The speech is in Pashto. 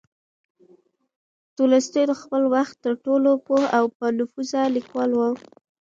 تولستوی د خپل وخت تر ټولو پوه او با نفوذه لیکوال و.